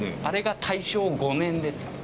あれが大正５年です。